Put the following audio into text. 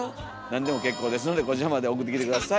何でも結構ですのでこちらまで送ってきて下さい。